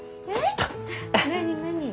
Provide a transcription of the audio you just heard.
何何？